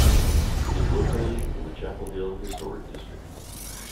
It is located in the Chapel Hill Historic District.